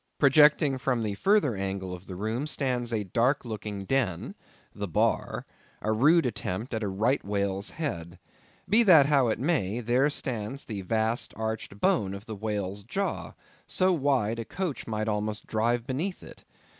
Projecting from the further angle of the room stands a dark looking den—the bar—a rude attempt at a right whale's head. Be that how it may, there stands the vast arched bone of the whale's jaw, so wide, a coach might almost drive beneath it.